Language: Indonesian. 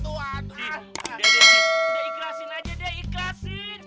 tuh hadet agresi aja deh kasih deh